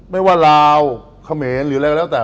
ไม่ว่าลาวเขมรหรืออะไรก็แล้วแต่